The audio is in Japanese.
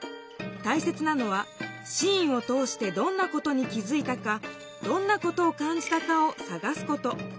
たいせつなのはシーンを通してどんなことに気づいたかどんなことを感じたかをさがすこと。